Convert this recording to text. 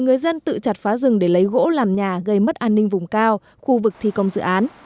người dân tự chặt phá rừng để lấy gỗ làm nhà gây mất an ninh vùng cao khu vực thi công dự án